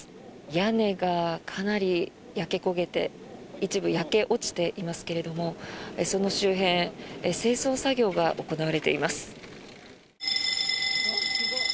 屋根が、かなり焼け焦げて一部、焼け落ちていますがその周辺清掃作業が行われています。